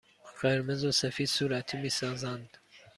قرمز و سفید صورتی می سازند.